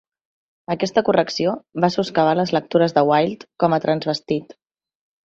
Aquesta correcció va soscavar les lectures de Wilde com a transvestit.